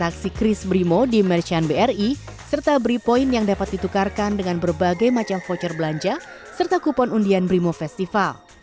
aksi kris brimo di merchant bri serta bri point yang dapat ditukarkan dengan berbagai macam voucher belanja serta kupon undian brimo festival